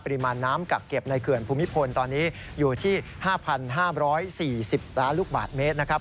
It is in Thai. ปริมาณน้ำกักเก็บในเขื่อนภูมิพลตอนนี้อยู่ที่๕๕๔๐ล้านลูกบาทเมตรนะครับ